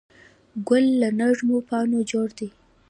ګل له نرمو پاڼو جوړ دی.